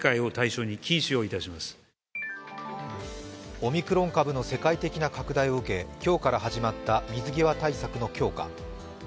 オミクロン株の世界的な拡大を受け、今日から始まった水際対策の強化。